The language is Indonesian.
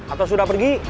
atau sudah pergi